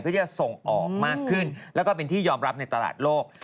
เพื่อจะส่งออกมากขึ้นแล้วก็เป็นที่ยอมรับในตลาดโลก